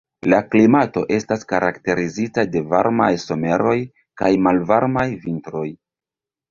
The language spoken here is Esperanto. La klimato estas karakterizita de varmaj someroj kaj malvarmaj vintroj.